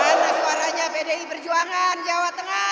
karena suaranya pdi perjuangan jawa tengah